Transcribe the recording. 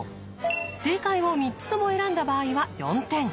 正解を３つとも選んだ場合は４点。